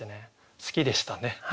好きでしたね。